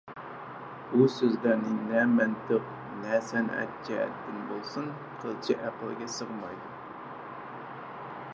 بۇ سۆزلەر نە مەنتىق، نە سەنئەت جەھەتتە بولسۇن قىلچە ئەقىلگە سىغمايدۇ.